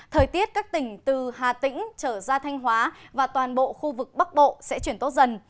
thời tiết các tỉnh từ hà tĩnh trở ra thanh hóa và toàn bộ khu vực bắc bộ sẽ chuyển tốt dần